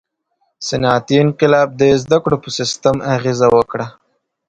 • صنعتي انقلاب د زدهکړو په سیستم اغېزه وکړه.